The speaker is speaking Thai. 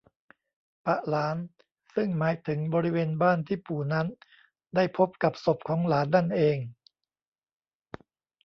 ปะหลาน ซึ่งหมายถึงบริเวณบ้านที่ปู่นั้นได้พบกับศพของหลานนั่นเอง